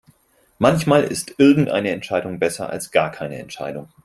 Manchmal ist irgendeine Entscheidung besser als gar keine Entscheidung.